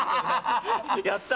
やったー！